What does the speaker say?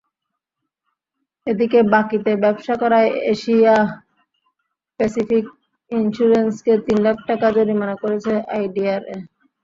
এদিকে, বাকিতে ব্যবসা করায় এশিয়া প্যাসিফিক ইনস্যুরেন্সকে তিন লাখ টাকা জরিমানা করেছে আইডিআরএ।